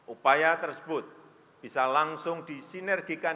upaya tersebut bisa langsung disinergikan